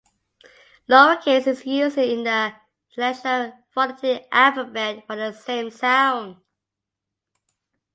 Lowercase is used in the International Phonetic Alphabet for the same sound.